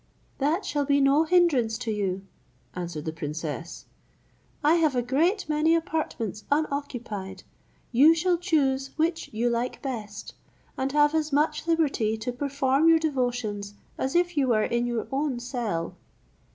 "That shall be no hinderance to you," answered the princess; "I have a great many apartments unoccupied; you shall choose which you like best, and have as much liberty to perform your devotions as if you were in your own cell."